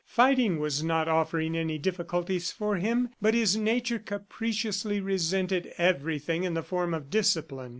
Fighting was not offering any difficulties for him but his nature capriciously resented everything in the form of discipline.